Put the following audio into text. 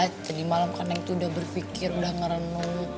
tadi malam kan neng tuh udah berpikir udah ngerenut